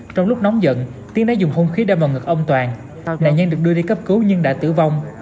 trong lúc nóng giận tiếng náy dùng không khí đeo vào ngực ông toàn nạn nhân được đưa đi cấp cứu nhưng đã tử vong